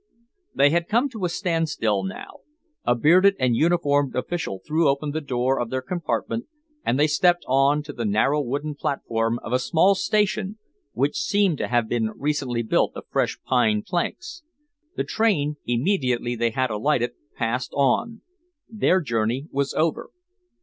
They had come to a standstill now. A bearded and uniformed official threw open the door of their compartment, and they stepped on to the narrow wooden platform of a small station which seemed to have been recently built of fresh pine planks. The train, immediately they had alighted, passed on. Their journey was over.